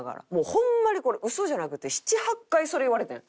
ホンマにこれ嘘じゃなくて７８回それ言われてん。